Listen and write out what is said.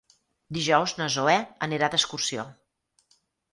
Dijous na Zoè anirà d'excursió.